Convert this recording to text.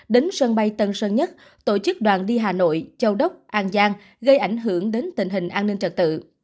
đến sân bay tân sơn nhất tổ chức đoàn đi hà nội châu đốc an giang gây ảnh hưởng đến tình hình an ninh trật tự